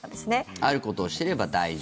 あることをしてれば大丈夫。